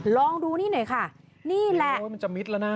ลองดูนี่หน่อยค่ะนี่แหละ